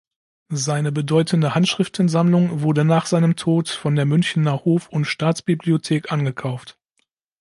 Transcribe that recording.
Seine bedeutende Handschriftensammlung wurde nach seinem Tod von der Münchener Hof- und Staatsbibliothek angekauft.